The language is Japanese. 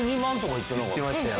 言ってましたよ。